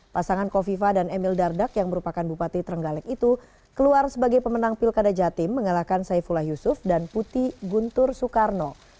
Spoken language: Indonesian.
pasangan kofifa dan emil dardak yang merupakan bupati trenggalek itu keluar sebagai pemenang pilkada jatim mengalahkan saifullah yusuf dan putih guntur soekarno